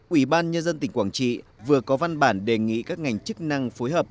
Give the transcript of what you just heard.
ủy ban nhân dân tỉnh quảng trị vừa có văn bản đề nghị các ngành chức năng phối hợp